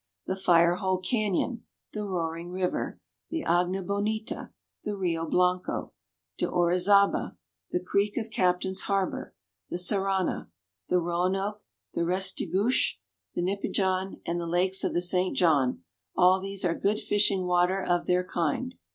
The Fire Hole Canyon, the Roaring River, the Agna Bonita, the Rio Blanco, de Orizaba, the creek of Captains Harbor, the Saranna, the Roanoke, the Restigouche, the Nipigon, and the lakes of the St. John, all these are good fishing water of their kind.